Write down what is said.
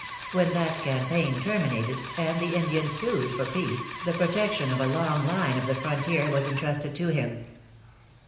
When that campaign terminated, and the Indians sued for peace, the protection of a long line of the frontier was intrusted to him.